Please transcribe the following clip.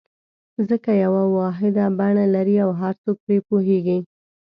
ځکه یوه واحده بڼه لري او هر څوک پرې پوهېږي.